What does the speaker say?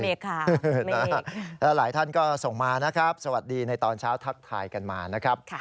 แล้วหลายท่านก็ส่งมานะครับสวัสดีในตอนเช้าทักทายกันมานะครับ